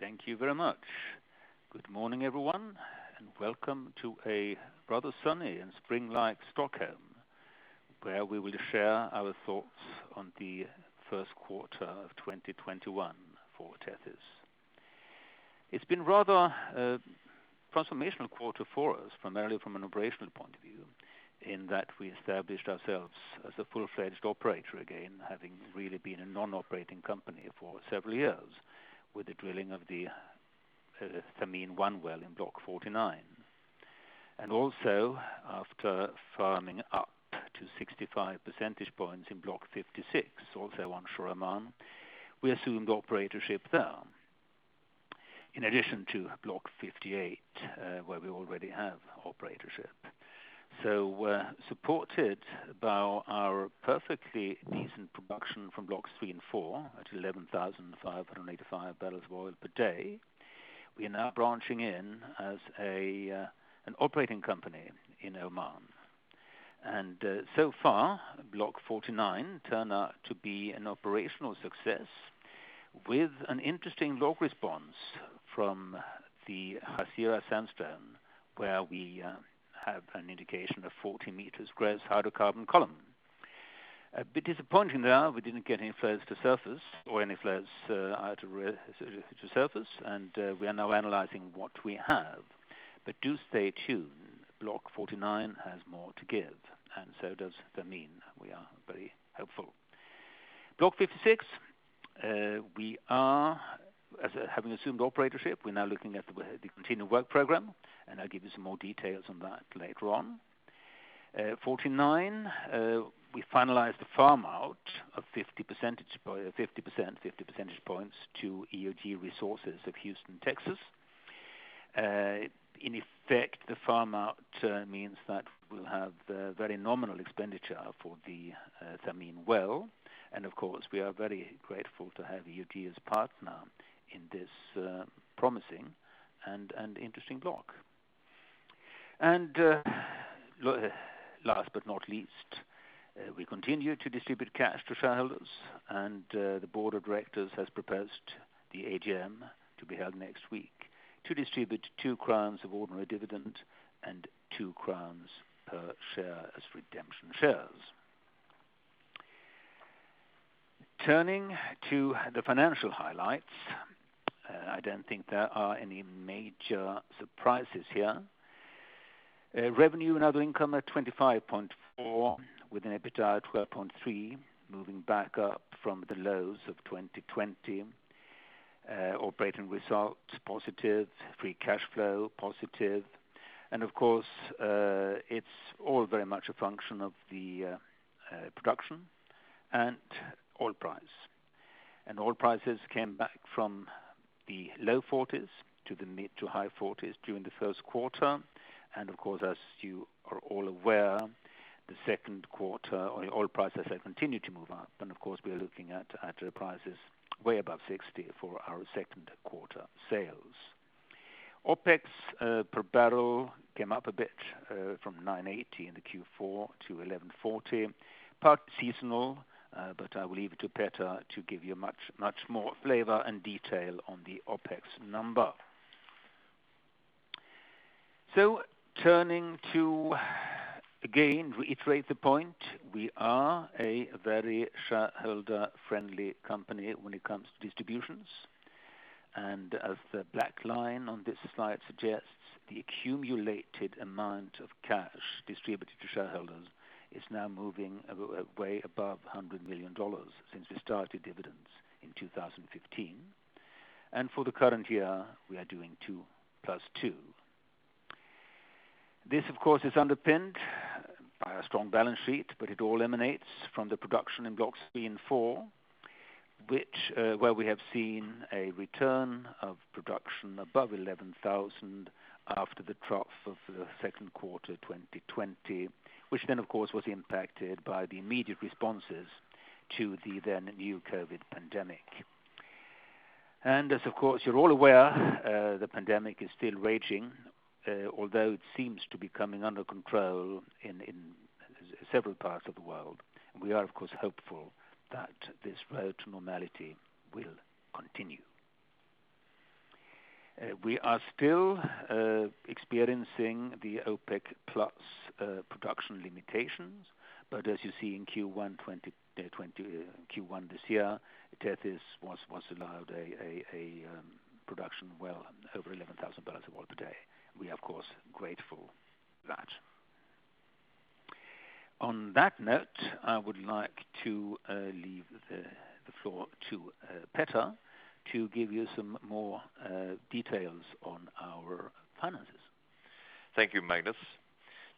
Thank you very much. Good morning, everyone, welcome to a rather sunny and spring-like Stockholm, where we will share our thoughts on the first quarter of 2021 for Tethys Oil. It's been rather a transformational quarter for us, primarily from an operational point of view, in that we established ourselves as a full-fledged operator again, having really been a non-operating company for several years with the drilling of the Thameen-1 well in Block 49. Also after firming up to 65 percentage points in Block 56, also onshore Oman, we assumed operatorship there. In addition to Block 58, where we already have operatorship. We're supported by our perfectly decent production from Blocks 3 and 4 at 11,585 barrels of oil per day. We are now branching in as an operating company in Oman. So far, Block 49 turned out to be an operational success with an interesting log response from the Hasirah Sandstone, where we have an indication of 40 meters gross hydrocarbon column. A bit disappointing there, we didn't get any flows to surface or any flows out to surface, and we are now analyzing what we have. Do stay tuned. Block 49 has more to give, and so does Thameen. We are very hopeful. Block 56, having assumed operatorship, we're now looking at the continued work program, and I'll give you some more details on that later on. Forty-nine, we finalized the farm-out of 50 percentage points to EOG Resources of Houston, Texas. In effect, the farm-out means that we'll have very nominal expenditure for the Thameen well, and of course, we are very grateful to have EOG as a partner in this promising and interesting block. Last but not least, we continue to distribute cash to shareholders, and the board of directors has proposed the AGM to be held next week to distribute 2 crowns of ordinary dividend and 2 crowns per share as redemption shares. Turning to the financial highlights, I don't think there are any major surprises here. Revenue and other income at 25.4 with an EBITDA of $12.3, moving back up from the lows of 2020. Operating results positive, free cash flow positive. Of course, it's all very much a function of the production and oil price. Oil prices came back from the low $40s to the mid to high $40s during the first quarter. Of course, as you are all aware, the second quarter on the oil prices have continued to move up. Of course, we are looking at oil prices way above $60 for our second quarter sales. OpEx per barrel came up a bit from $9.80 in the Q4 to $11.40, part seasonal, but I will leave it to Petter to give you much more flavor and detail on the OpEx number. Turning to, again, reiterate the point, we are a very shareholder-friendly company when it comes to distributions. As the black line on this slide suggests, the accumulated amount of cash distributed to shareholders is now moving way above $100 million since we started dividends in 2015. For the current year, we are doing two plus two. This, of course, is underpinned by a strong balance sheet. It all emanates from the production in Blocks 3 and 4, where we have seen a return of production above 11,000 after the trough of the second quarter 2020, which then, of course, was impacted by the immediate responses to the then-new COVID pandemic. As, of course, you're all aware, the pandemic is still raging, although it seems to be coming under control in several parts of the world. We are, of course, hopeful that this road to normality will continue. We are still experiencing the OPEC+ production limitations. As you see in Q1 this year, Tethys was allowed a production well over 11,000 barrels of oil per day. We are, of course, grateful for that. On that note, I would like to leave the floor to Petter to give you some more details on our finances. Thank you, Magnus.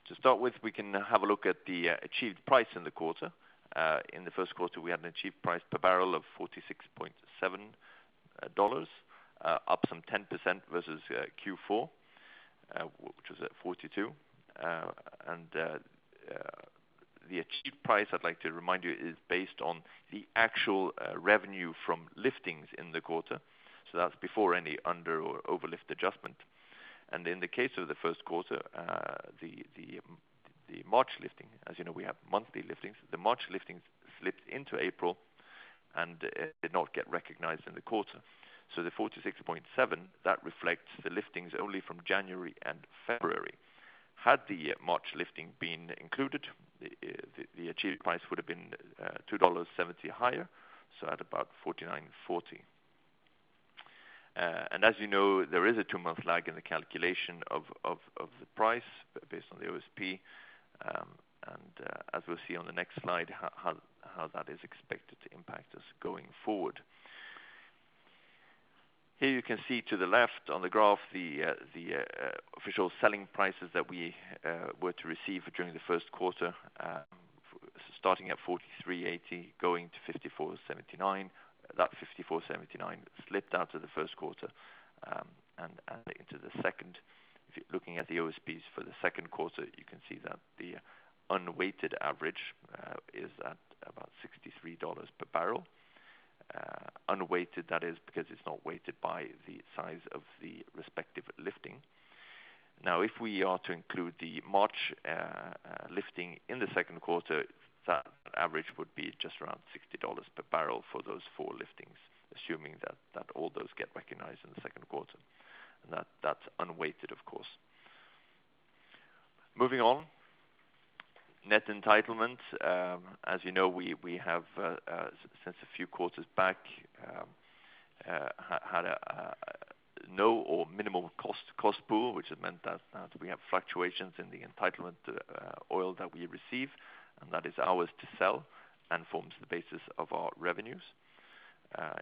To start with, we can have a look at the achieved price in the quarter. In the first quarter, we had an achieved price per barrel of $46.7, up some 10% versus Q4, which was at $42. The achieved price, I'd like to remind you, is based on the actual revenue from liftings in the quarter. That's before any underlift or overlift adjustment. In the case of the first quarter, The March lifting, as you know, we have monthly liftings. The March lifting slipped into April and did not get recognized in the quarter. The $46.7, that reflects the liftings only from January and February. Had the March lifting been included, the achieved price would have been $2.70 higher, so at about $49.40. As you know, there is a two-month lag in the calculation of the price based on the OSP, and as we'll see on the next slide, how that is expected to impact us going forward. Here you can see to the left on the graph, the official selling prices that we were to receive during the first quarter, starting at $43.80, going to $54.79. That 54.79 slipped out of the first quarter and into the second. If you're looking at the OSPs for the second quarter, you can see that the unweighted average is at about $63 per barrel. Unweighted, that is because it's not weighted by the size of the respective lifting. If we are to include the March lifting in the second quarter, that average would be just around $60 per barrel for those four liftings, assuming that all those get recognized in the second quarter. That's unweighted, of course. Moving on, net entitlement. As you know, we have, since a few quarters back, had a no or minimal cost pool, which has meant that we have fluctuations in the entitlement oil that we receive, and that is ours to sell and forms the basis of our revenues.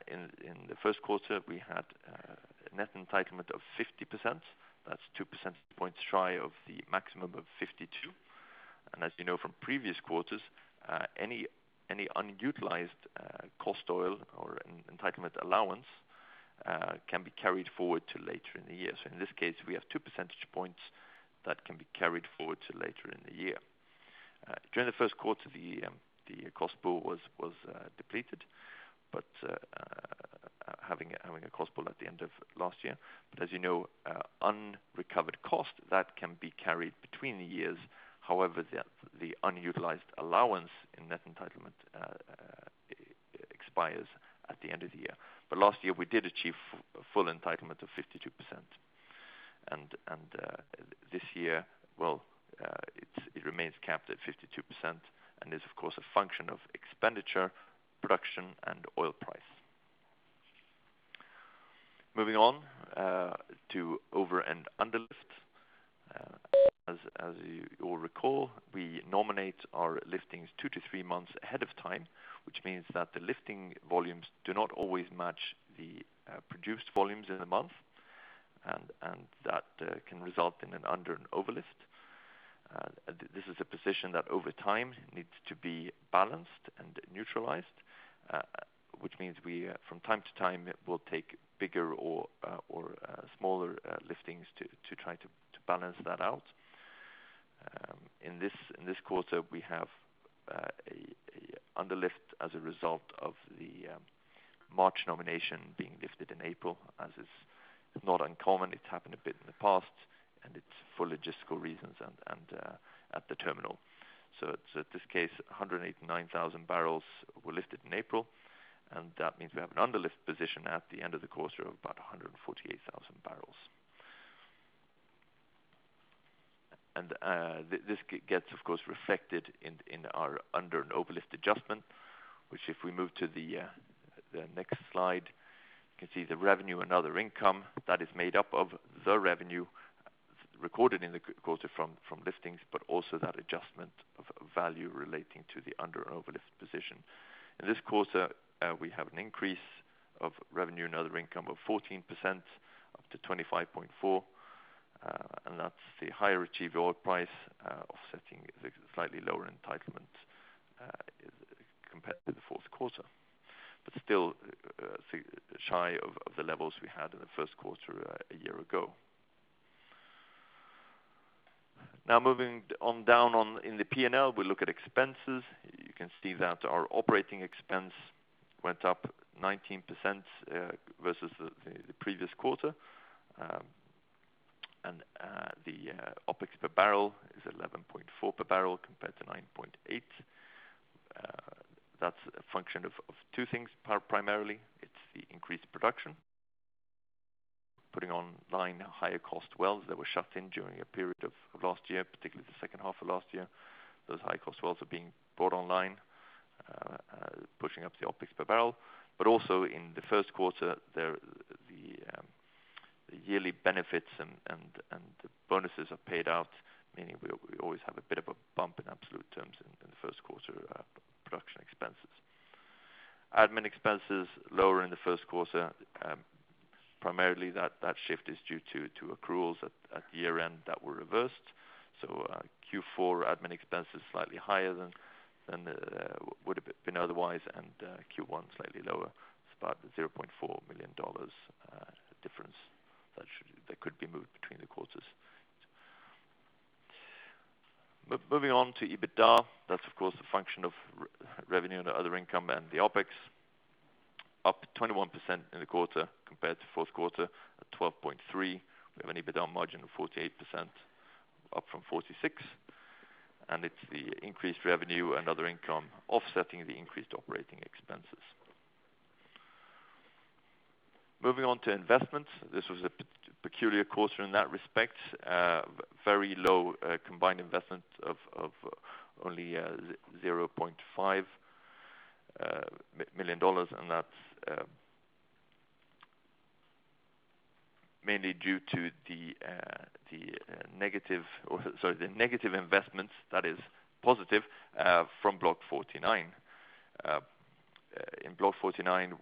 In the first quarter, we had a net entitlement of 50%. That's 2% points shy of the maximum of 52. As you know from previous quarters, any unutilized cost oil or entitlement allowance can be carried forward to later in the year. In this case, we have two percentage points that can be carried forward to later in the year. During the first quarter of the year, the cost pool was depleted, but having a cost pool at the end of last year. As you know, unrecovered cost, that can be carried between the years. However, the unutilized allowance in net entitlement expires at the end of the year. Last year, we did achieve a full entitlement of 52%. This year, well, it remains capped at 52% and is, of course, a function of expenditure, production, and oil price. Moving on to over and underlift. As you all recall, we nominate our liftings two to three months ahead of time, which means that the lifting volumes do not always match the produced volumes in the month, and that can result in an under and overlift. This is a position that over time needs to be balanced and neutralized, which means we, from time to time, will take bigger or smaller liftings to try to balance that out. In this quarter, we have a underlift as a result of the March nomination being lifted in April, as is not uncommon. It's happened a bit in the past, and it's for logistical reasons and at the terminal. In this case, 189,000 barrels were lifted in April, and that means we have an underlift position at the end of the quarter of about 148,000 barrels. This gets, of course, reflected in our under and overlift adjustment, which if we move to the next slide, you can see the revenue and other income that is made up of the revenue recorded in the quarter from liftings, but also that adjustment of value relating to the under and overlift position. In this quarter, we have an increase of revenue and other income of 14% up to 25.4, and that's the higher achieved oil price offsetting the slightly lower entitlement compared to the fourth quarter. Still shy of the levels we had in the first quarter a year ago. Now moving on down in the P&L, we look at expenses. You can see that our operating expense went up 19% versus the previous quarter. The OpEx per barrel is $11.40 per barrel compared to $9.80. That's a function of two things, primarily. It's the increased production, putting online higher cost wells that were shut in during a period of last year, particularly the second half of last year. Those high cost wells are being brought online, pushing up the OpEx per barrel. Also in the first quarter, the yearly benefits and the bonuses are paid out, meaning we always have a bit of a bump in absolute terms in the first quarter production expenses. Admin expenses, lower in the first quarter. Primarily that shift is due to accruals at year-end that were reversed. Q4 admin expense is slightly higher than would have been otherwise, and Q1 slightly lower. It's about $0.4 million difference that could be moved between the quarters. Moving on to EBITDA, that's of course, a function of revenue and other income and the OpEx. Up 21% in the quarter compared to the fourth quarter at $12.3 million. We have an EBITDA margin of 48%, up from 46%, and it's the increased revenue and other income offsetting the increased operating expenses. Moving on to investments. This was a peculiar quarter in that respect. Very low combined investment of only SEK 0.5 million. That's mainly due to the negative investments that is positive from Block 49. In Block 49,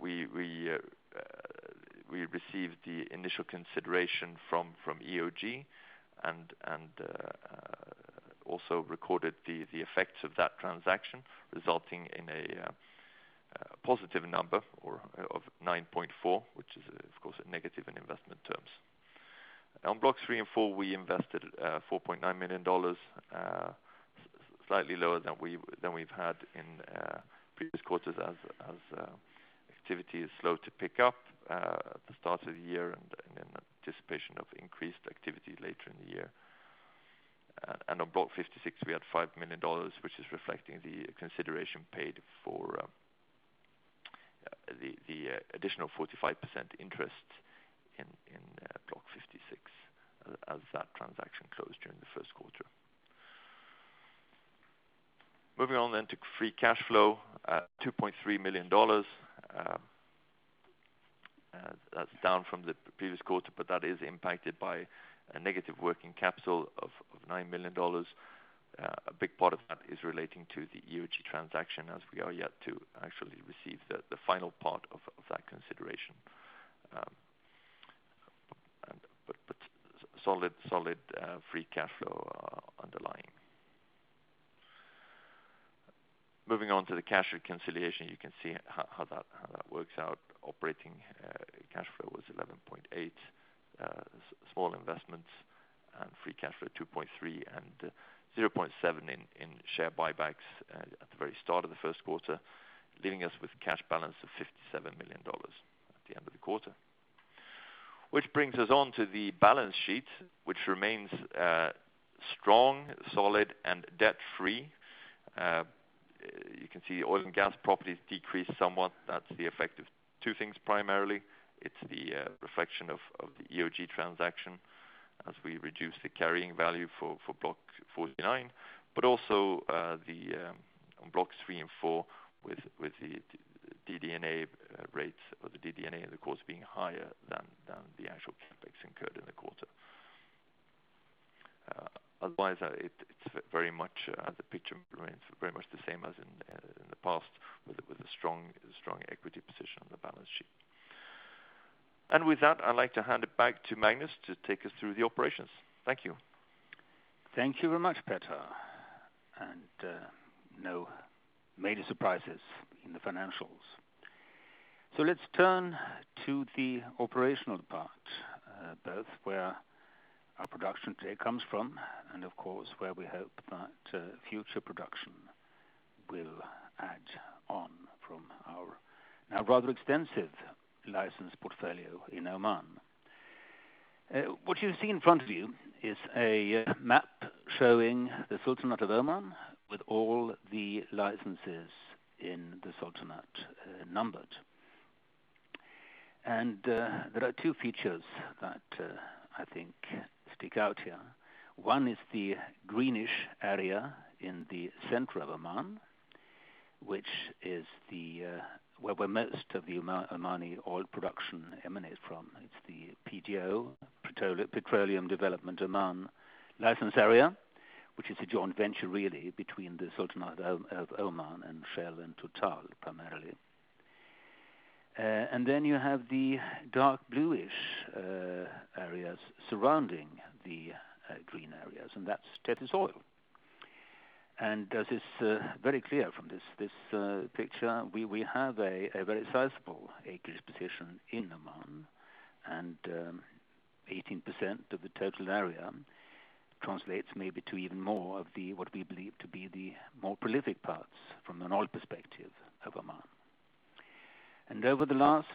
we received the initial consideration from EOG, and also recorded the effects of that transaction, resulting in a positive number of 9.4, which is, of course, a negative in investment terms. On Blocks 3 and 4, we invested SEK 4.9 million, slightly lower than we've had in previous quarters as activity is slow to pick up at the start of the year, and in anticipation of increased activity later in the year. On Block 56, we had SEK 5 million, which is reflecting the consideration paid for the additional 45% interest in Block 56 as that transaction closed during the first quarter. Moving on to free cash flow, $2.3 million. That's down from the previous quarter. That is impacted by a negative working capital of $9 million. A big part of that is relating to the EOG transaction as we are yet to actually receive the final part of that consideration. Solid free cash flow underlying. Moving on to the cash reconciliation, you can see how that works out. Operating cash flow was $11.8 million, small investments, free cash flow $2.3 million, $0.7 million in share buybacks at the very start of the first quarter, leaving us with a cash balance of $57 million at the end of the quarter. That brings us on to the balance sheet, which remains strong, solid, and debt-free. You can see oil and gas properties decreased somewhat. That's the effect of two things primarily. It's the reflection of the EOG transaction as we reduce the carrying value for Block 49, but also on Blocks 3 and 4 with the DD&A rates, or the DD&A, of course, being higher than the actual CapEx incurred in the quarter. Otherwise, the picture remains very much the same as in the past, with a strong equity position on the balance sheet. With that, I'd like to hand it back to Magnus to take us through the operations. Thank you. Thank you very much, Petter. No major surprises in the financials. Let's turn to the operational part, both where our production today comes from, and of course, where we hope that future production will add on from our now rather extensive license portfolio in Oman. What you see in front of you is a map showing the Sultanate of Oman with all the licenses in the sultanate numbered. There are two features that I think stick out here. One is the greenish area in the center of Oman, where most of the Omani oil production emanates from. It's the PDO, Petroleum Development Oman license area, which is a joint venture really between the Sultanate of Oman and Shell and Total, primarily. Then you have the dark bluish areas surrounding the green areas, and that's Tethys Oil. As is very clear from this picture, we have a very sizable acreage position in Oman, and 18% of the total area translates maybe to even more of what we believe to be the more prolific parts from an oil perspective of Oman. Over the last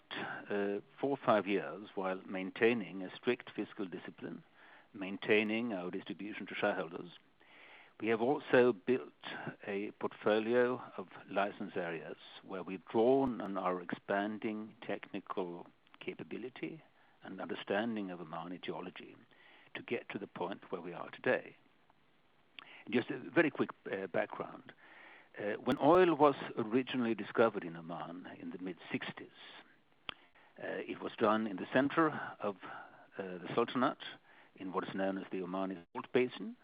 four or five years, while maintaining a strict fiscal discipline, maintaining our distribution to shareholders, we have also built a portfolio of license areas where we've drawn on our expanding technical capability and understanding of Oman geology to get to the point where we are today. Just a very quick background. When oil was originally discovered in Oman in the mid-1960s, it was done in the center of the sultanate in what is known as the Oman Salt Basin,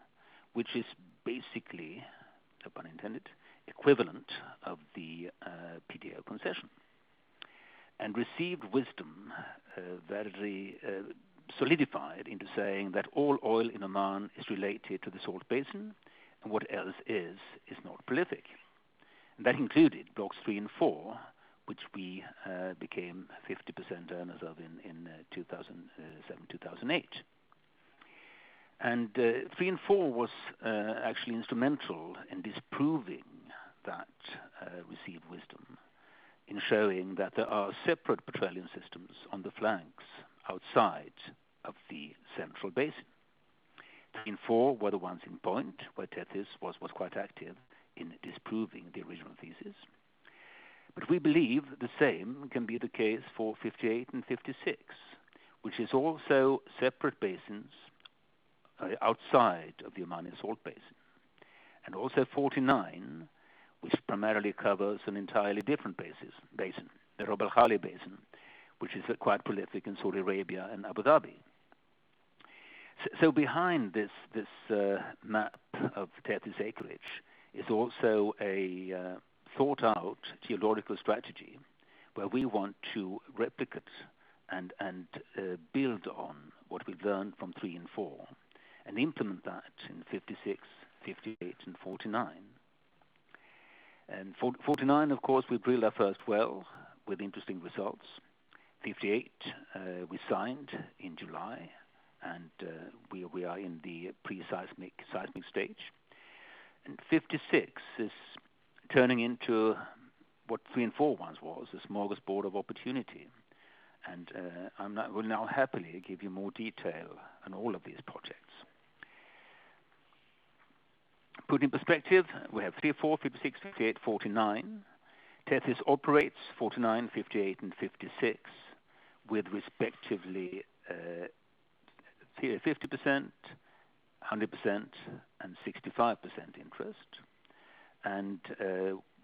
which is basically, pun intended, equivalent of the PDO concession. Received wisdom verily solidified into saying that all oil in Oman is related to the Salt Basin, and what else is not prolific. That included Blocks 3 and 4, which we became 50% earners of in 2007, 2008. Three and four was actually instrumental in disproving that received wisdom, in showing that there are separate petroleum systems on the flanks outside of the central basin. Three and four were the ones in point, where Tethys was quite active in disproving the original thesis. We believe the same can be the case for 58 and 56, which is also separate basins outside of the Oman Salt Basin. Also 49, which primarily covers an entirely different basin, the Rub al Khali Basin, which is quite prolific in Saudi Arabia and Abu Dhabi. Behind this map of Tethys acreage is also a thought-out geological strategy where we want to replicate and build on what we've learned from 3 and 4, and implement that in 56, 58, and 49. In 49, of course, we drilled our first well with interesting results. 58 we signed in July, and we are in the pre-seismic stage. 56 is turning into what 3 and 4 once was, a smorgasbord of opportunity. I will now happily give you more detail on all of these projects. Put in perspective, we have 3 and 4, 56, 58, 49. Tethys operates 49, 58, and 56 with respectively 50%, 100%, and 65% interest.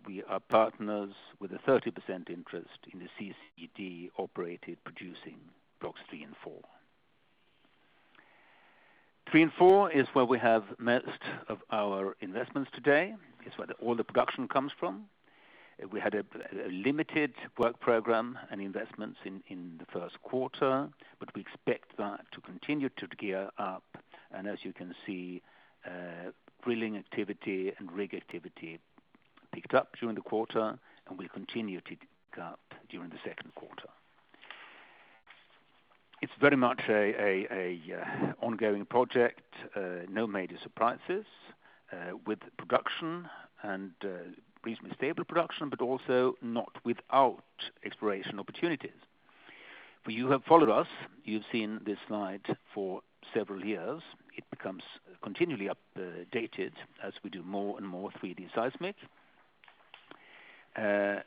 We are partners with a 30% interest in the CCED-operated producing Blocks 3 and 4. 3 and 4 is where we have most of our investments today. It's where all the production comes from. We had a limited work program and investments in the first quarter, but we expect that to continue to gear up. As you can see, drilling activity and rig activity picked up during the quarter, and will continue to pick up during the second quarter. It's very much an ongoing project. No major surprises with production, and reasonably stable production, but also not without exploration opportunities. For you who have followed us, you've seen this slide for several years. It becomes continually updated as we do more and more 3D seismic. A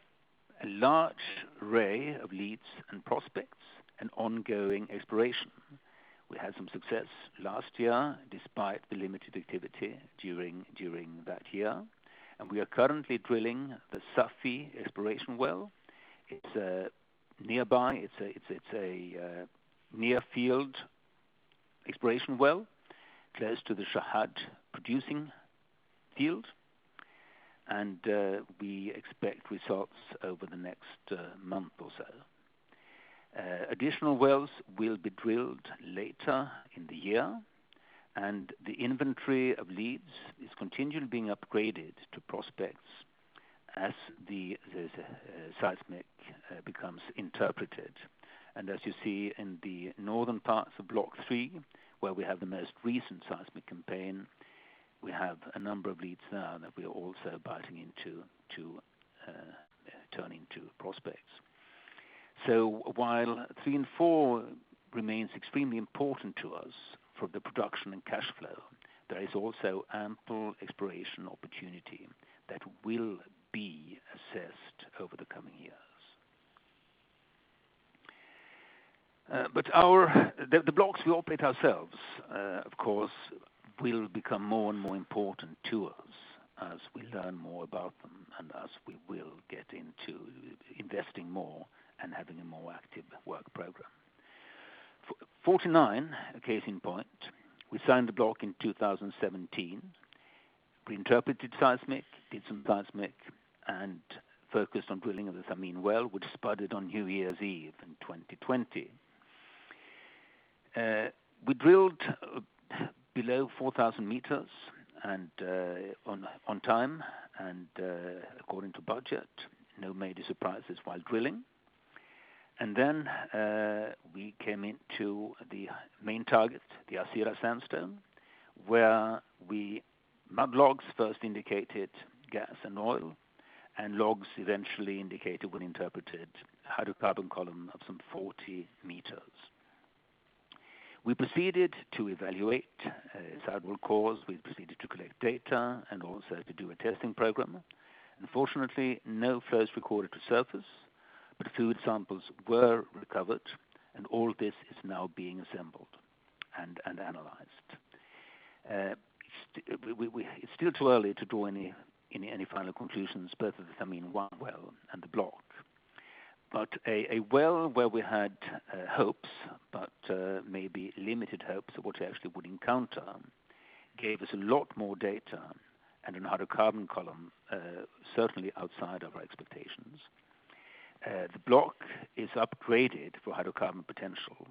large array of leads and prospects, and ongoing exploration. We had some success last year despite the limited activity during that year. We are currently drilling the Safi exploration well. It's nearby. It's a near-field exploration well close to the Shahad producing field, and we expect results over the next month or so. Additional wells will be drilled later in the year. The inventory of leads is continually being upgraded to prospects as the seismic becomes interpreted. As you see in the northern parts of Block 3, where we have the most recent seismic campaign, we have a number of leads there that we are also biting into to turn into prospects. While 3 and 4 remains extremely important to us for the production and cash flow, there is also ample exploration opportunity that will be assessed over the coming years. The blocks we operate ourselves, of course, will become more and more important to us as we learn more about them and as we will get into investing more and having a more active work program. 49, a case in point, we signed the Block in 2017. We interpreted seismic, did some seismic, and focused on drilling of the Thameen-1 well, which spudded on New Year's Eve in 2020. We drilled below 4,000 meters, and on time, and according to budget. No major surprises while drilling. Then we came into the main target, the Hasirah Sandstone, where mud logs first indicated gas and oil, and logs eventually indicated when interpreted, hydrocarbon column of some 40 meters. We proceeded to evaluate as that will cause. We proceeded to collect data and also to do a testing program. Unfortunately, no flows recorded to surface, but fluid samples were recovered, and all this is now being assembled and analyzed. It's still too early to draw any final conclusions, both of the Thameen-1 well and the block. A well where we had hopes, but maybe limited hopes of what we actually would encounter, gave us a lot more data and a hydrocarbon column certainly outside of our expectations. The Block is upgraded for hydrocarbon potential,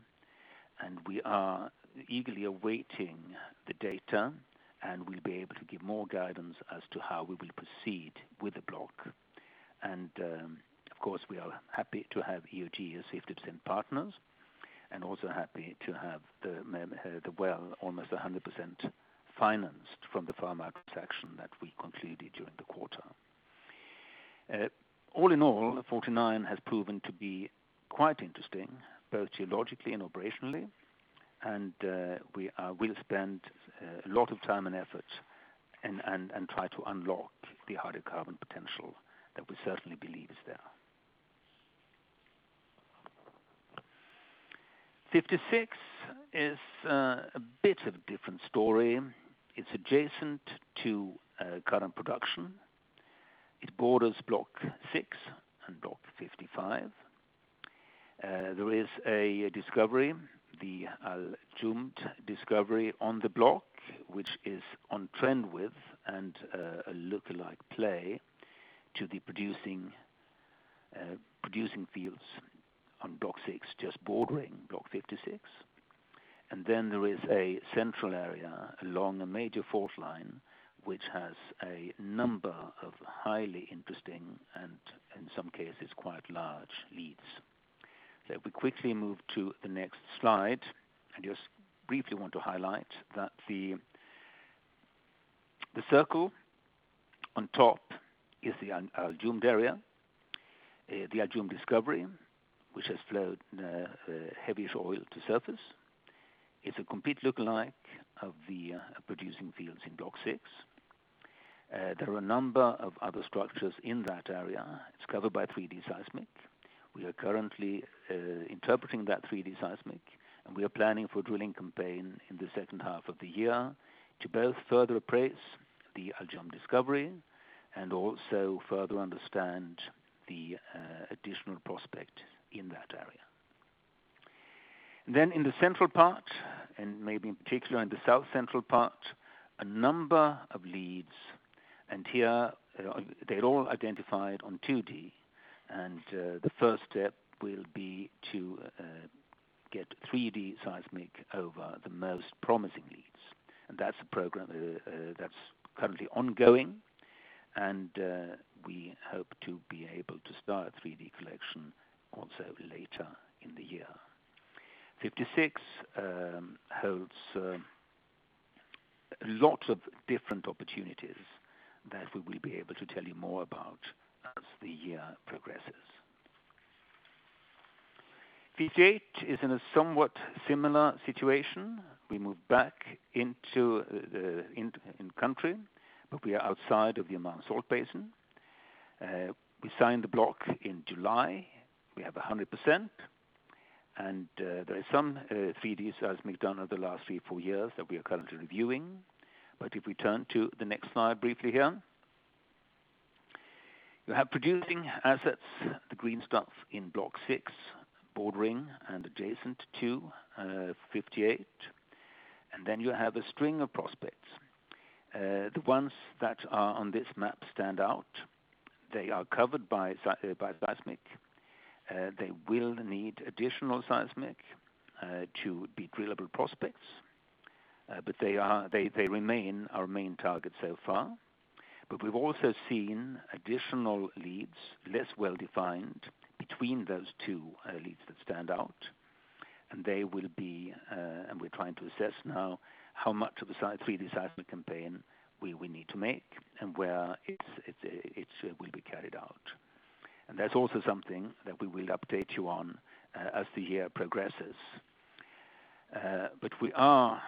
we are eagerly awaiting the data, and we'll be able to give more guidance as to how we will proceed with the Block. Of course, we are happy to have EOG as 50% partners, and also happy to have the well almost 100% financed from the farm acquisition that we concluded during the quarter. All in all, 49 has proven to be quite interesting, both geologically and operationally. We will spend a lot of time and effort and try to unlock the hydrocarbon potential that we certainly believe is there. 56 is a bit of a different story. It's adjacent to current production. It borders Block 06 and Block 55. There is a discovery, the Al Jumd discovery on the Block, which is on trend with and a look like play to the producing fields on Block 06, just bordering Block 56. Then there is a central area along a major fault line, which has a number of highly interesting, and in some cases, quite large leads. If we quickly move to the next slide, I just briefly want to highlight that the circle on top is the Al Jumd area, the Al Jumd discovery, which has flowed heaviest oil to surface. It's a complete lookalike of the producing fields in Block 06. There are a number of other structures in that area. It's covered by 3D seismic. We are currently interpreting that 3D seismic, and we are planning for a drilling campaign in the second half of the year to both further appraise the Al Jumd discovery and also further understand the additional prospect in that area. In the central part, and maybe in particular in the south central part, a number of leads, and here they're all identified on 2D, and the first step will be to get 3D seismic over the most promising leads. That's a program that's currently ongoing, and we hope to be able to start 3D collection also later in the year. 56 holds lots of different opportunities that we will be able to tell you more about as the year progresses. 58 is in a somewhat similar situation. We move back in country, but we are outside of the Oman Salt Basin. We signed the block in July. We have 100%, and there is some 3D seismic done over the last three, four years that we are currently reviewing. If we turn to the next slide briefly here. You have producing assets, the green stuff in Block 6, bordering and adjacent to 58. Then you have a string of prospects. The ones that are on this map stand out. They are covered by seismic. They will need additional seismic to be drillable prospects. They remain our main target so far. We've also seen additional leads, less well-defined between those two leads that stand out. We're trying to assess now how much of the 3D seismic campaign we will need to make and where it will be carried out. That's also something that we will update you on as the year progresses. We are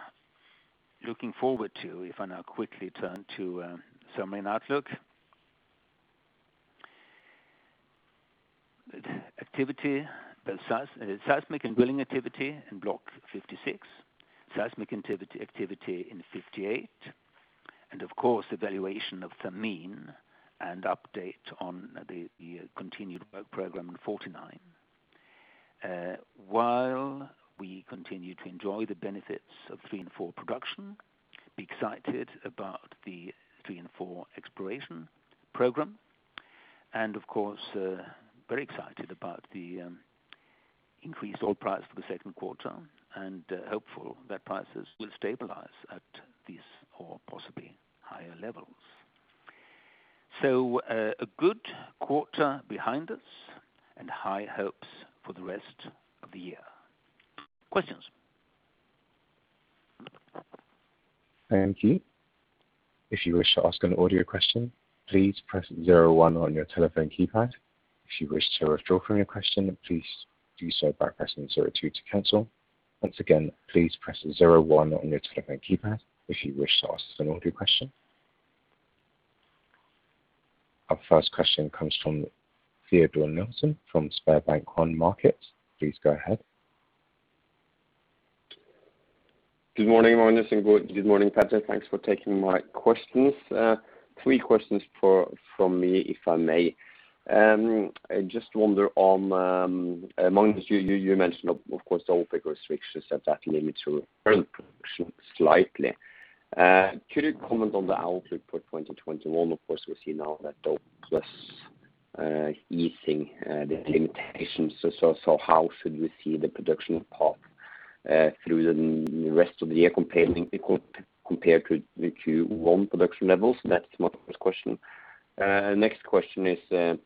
looking forward to, if I now quickly turn to summary and outlook. Seismic and drilling activity in Block 56, seismic activity in 58, and of course, evaluation of Thameen and update on the continued work program in 49. While we continue to enjoy the benefits of 3 and 4 production, be excited about the 3 and 4 exploration program, and of course, very excited about the increased oil price for the second quarter and hopeful that prices will stabilize at these or possibly higher levels. A good quarter behind us and high hopes for the rest of the year. Questions? Thank you. If you wish to ask an audio question, please press 01 on your telephone keypad. If you wish to withdraw from your question, please do so by pressing 02 to cancel. Once again, please press 01 on your telephone keypad if you wish to ask an audio question. Our first question comes from Teodor Sveen-Nilsen from SpareBank 1 Markets. Please go ahead. Good morning, Magnus, and good morning, Petter. Thanks for taking my questions. Three questions from me, if I may. I just wonder, Magnus, you mentioned, of course, the OPEC+ restrictions that limits your oil production slightly. Could you comment on the outlook for 2021? Of course, we see now that the OPEC+ easing the limitations. How should we see the production through the rest of the year compelling people compared to Q1 production levels? That's my first question. Next question is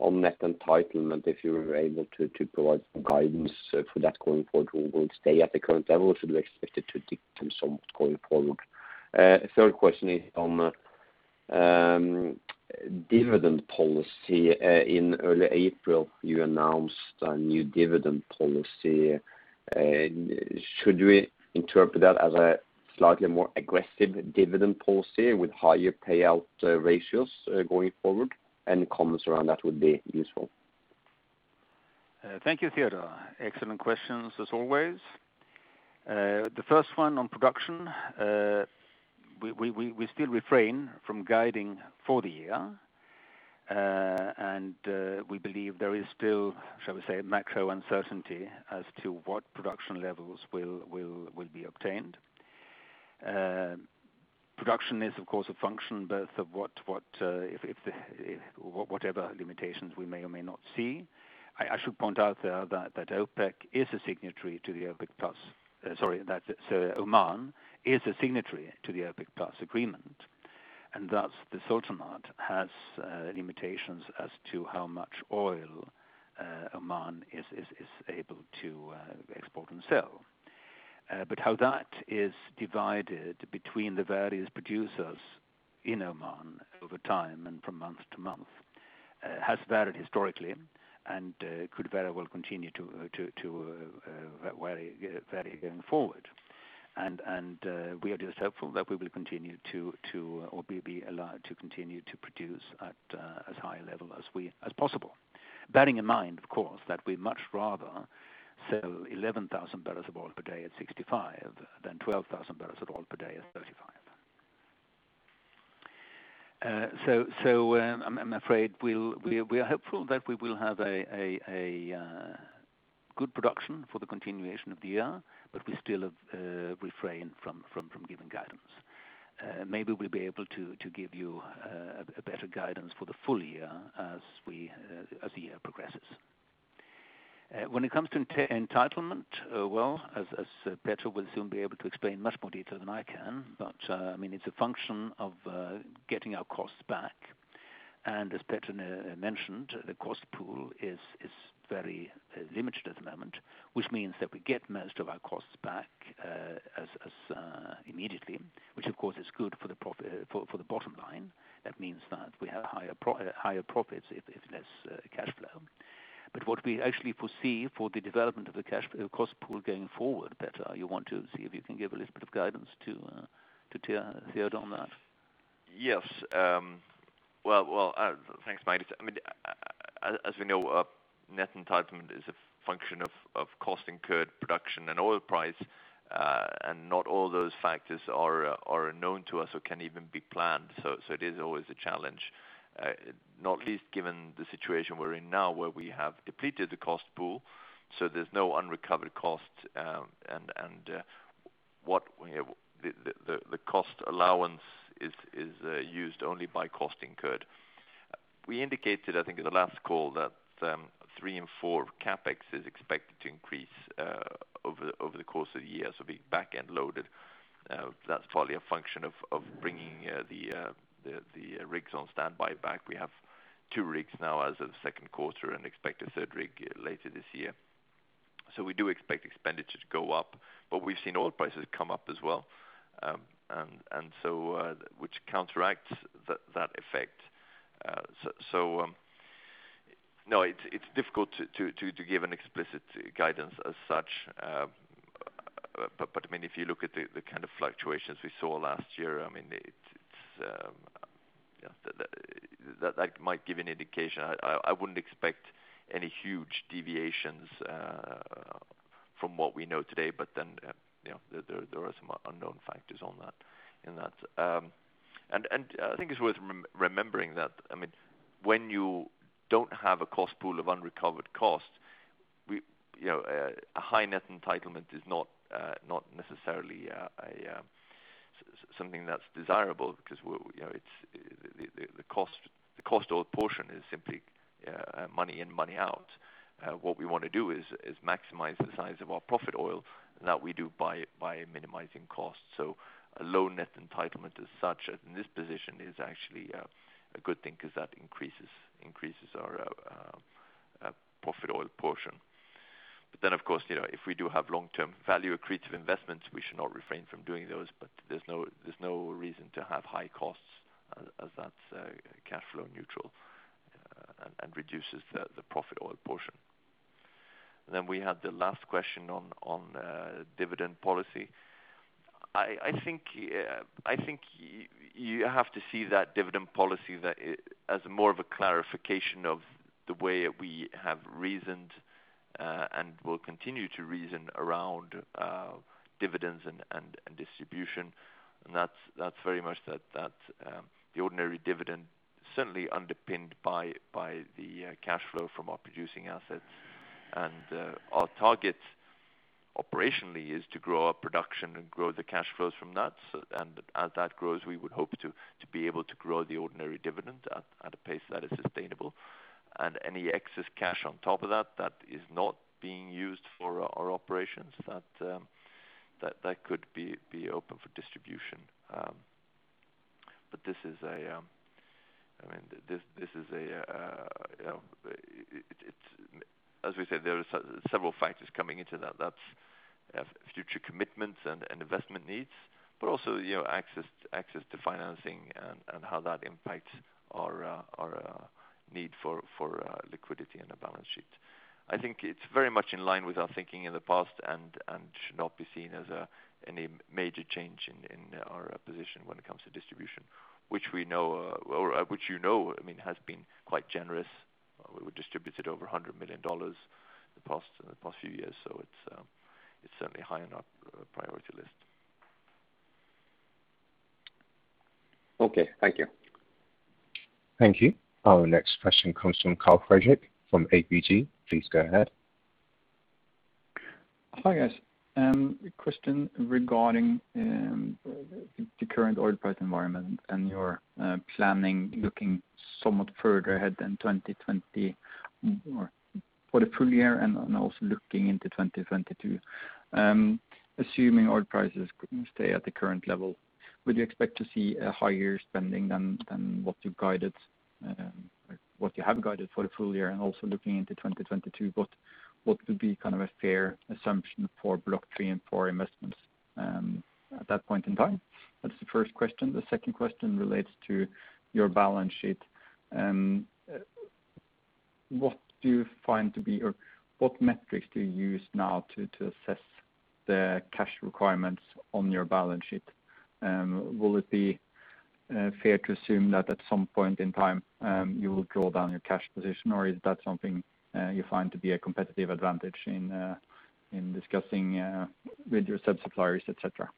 on net entitlement, if you're able to provide some guidance for that going forward. Will it stay at the current level, or should we expect it to tick some going forward? Third question is on dividend policy. In early April, you announced a new dividend policy. Should we interpret that as a slightly more aggressive dividend policy with higher payout ratios going forward? Any comments around that would be useful. Thank you, Teodor Sveen-Nilsen. Excellent questions as always. The first one on production, we still refrain from guiding for the year. We believe there is still, shall we say, macro uncertainty as to what production levels will be obtained. Production is, of course, a function both of whatever limitations we may or may not see. I should point out there that Oman is a signatory to the OPEC+ agreement, and thus the Sultanate has limitations as to how much oil Oman is able to export and sell. How that is divided between the various producers in Oman over time and from month to month has varied historically and could very well continue to vary going forward. We are just hopeful that we'll be allowed to continue to produce at as high a level as possible. Bearing in mind, of course, that we'd much rather sell 11,000 barrels of oil per day at $65 than 12,000 barrels of oil per day at $35. I'm afraid we are hopeful that we will have a good production for the continuation of the year, but we still refrain from giving guidance. Maybe we'll be able to give you a better guidance for the full year as the year progresses. When it comes to entitlement, well, as Petter will soon be able to explain much more detail than I can, but it's a function of getting our costs back. As Petter mentioned, the cost pool is very limited at the moment, which means that we get most of our costs back immediately, which, of course, is good for the bottom line. That means that we have higher profits if less cash flow. What we actually foresee for the development of the cost pool going forward, Petter, you want to see if you can give a little bit of guidance to Teodor on that? Well, thanks, Magnus. As we know, net entitlement is a function of cost incurred, production, and oil price, and not all those factors are known to us or can even be planned. It is always a challenge. Not least given the situation we're in now where we have depleted the cost pool, so there's no unrecovered cost, and the cost allowance is used only by cost incurred. We indicated, I think in the last call, that 3 and 4 CapEx is expected to increase over the course of the year, it'll be back end loaded. That's partly a function of bringing the rigs on standby back. We have 2 rigs now as of the second quarter and expect a third rig later this year. We've seen oil prices come up as well, which counteracts that effect. No, it's difficult to give an explicit guidance as such. If you look at the kind of fluctuations we saw last year, that might give an indication. I wouldn't expect any huge deviations from what we know today. There are some unknown factors in that. I think it's worth remembering that when you don't have a cost pool of unrecovered costs, a high net entitlement is not necessarily something that's desirable because the cost oil portion is simply money in, money out. What we want to do is maximize the size of our profit oil, and that we do by minimizing costs. A low net entitlement as such in this position is actually a good thing because that increases our profit oil portion. Of course, if we do have long-term value-accretive investments, we should not refrain from doing those. There's no reason to have high costs, as that's cash flow neutral and reduces the profit oil portion. We had the last question on dividend policy. I think you have to see that dividend policy as more of a clarification of the way we have reasoned, and will continue to reason, around dividends and distribution. That's very much that the ordinary dividend certainly underpinned by the cash flow from our producing assets. Our target operationally is to grow our production and grow the cash flows from that. As that grows, we would hope to be able to grow the ordinary dividend at a pace that is sustainable. Any excess cash on top of that is not being used for our operations, that could be open for distribution. As we said, there are several factors coming into that. That's future commitments and investment needs, but also access to financing and how that impacts our need for liquidity on the balance sheet. I think it's very much in line with our thinking in the past and should not be seen as any major change in our position when it comes to distribution, which you know has been quite generous. We distributed over $100 million in the past few years, so it's certainly high on our priority list. Okay. Thank you. Thank you. Our next question comes from Karl Fredrik from ABG. Please go ahead. Hi, guys. A question regarding the current oil price environment and your planning looking somewhat further ahead than 2020, for the full year and also looking into 2022. Assuming oil prices stay at the current level, would you expect to see a higher spending than what you have guided for the full year? Also looking into 2022, what would be a fair assumption for Block 3 and 4 investments at that point in time? That's the first question. The second question relates to your balance sheet. What metrics do you use now to assess the cash requirements on your balance sheet? Will it be fair to assume that at some point in time, you will draw down your cash position, or is that something you find to be a competitive advantage in discussing with your sub-suppliers, et cetera?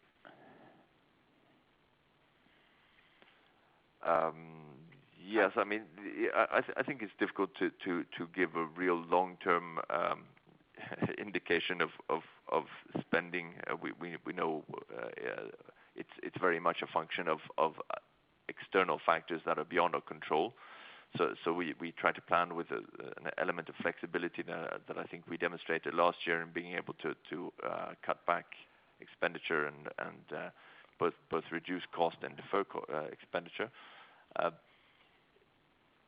Yes. I think it's difficult to give a real long-term indication of spending. We know it's very much a function of external factors that are beyond our control. We try to plan with an element of flexibility that I think we demonstrated last year in being able to cut back expenditure and both reduce cost and defer expenditure.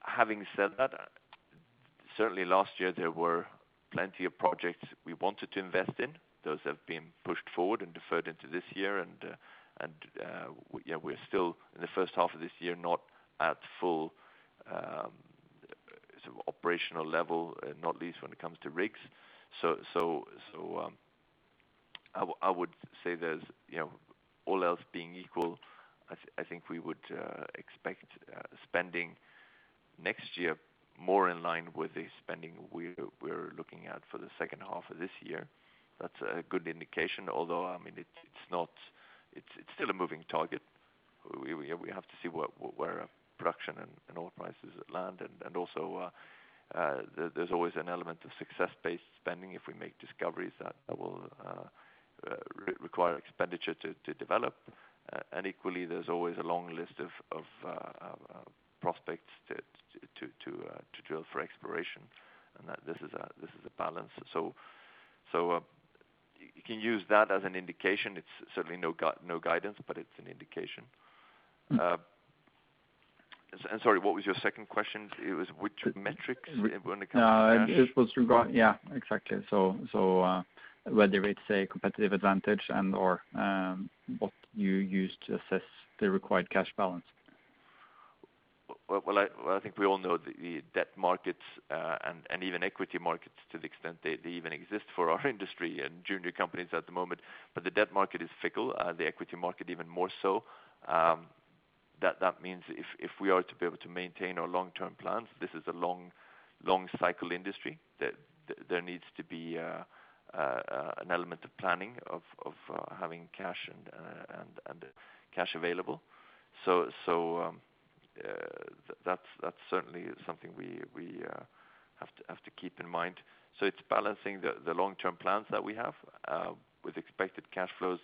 Having said that, certainly last year there were plenty of projects we wanted to invest in. Those have been pushed forward and deferred into this year, and we are still in the first half of this year, not at full operational level, not least when it comes to rigs. I would say, all else being equal, I think we would expect spending next year more in line with the spending we're looking at for the second half of this year. That's a good indication, although it's still a moving target. We have to see where production and oil prices land. Also, there's always an element of success-based spending if we make discoveries that will require expenditure to develop. Equally, there's always a long list of prospects to drill for exploration. This is a balance. You can use that as an indication. It's certainly no guidance, but it's an indication. Sorry, what was your second question? It was which metrics when it comes to cash? Yeah, exactly. Whether it's a competitive advantage and/or what you use to assess the required cash balance. Well, I think we all know the debt markets and even equity markets to the extent they even exist for our industry and junior companies at the moment. The debt market is fickle, the equity market even more so. That means if we are to be able to maintain our long-term plans, this is a long cycle industry. There needs to be an element of planning, of having cash available. That's certainly something we have to keep in mind. It's balancing the long-term plans that we have with expected cash flows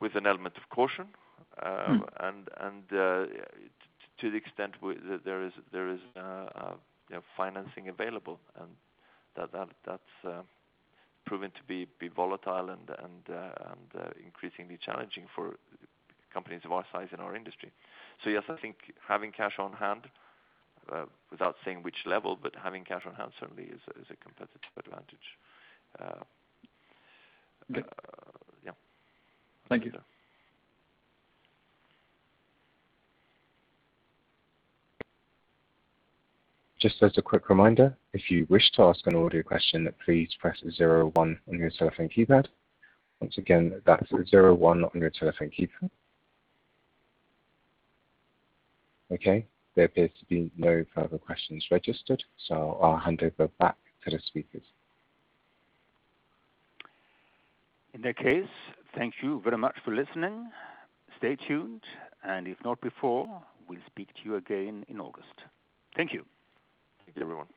with an element of caution, and to the extent there is financing available, and that's proven to be volatile and increasingly challenging for companies of our size in our industry. Yes, I think having cash on hand, without saying which level, but having cash on hand certainly is a competitive advantage. Good. Yeah. Thank you. Just as a quick reminder if you wish to to ask an audio question please press 01 on your cell phone keyboard. There appears to be no further questions registered, I'll hand over back to the speakers. In that case, thank you very much for listening. Stay tuned. If not before, we'll speak to you again in August. Thank you. Thanks, everyone.